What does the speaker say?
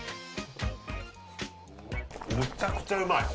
めちゃくちゃうまい！